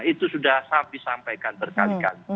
itu sudah sabit disampaikan berkaitan